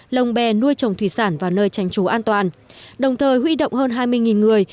lồng bè nuôi trồng thủy sản vào nơi tránh trú an toàn đồng thời huy động hơn hai mươi người